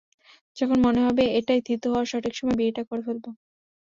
যখন মনে হবে, এটাই থিতু হওয়ার সঠিক সময়, বিয়েটা করে ফেলব।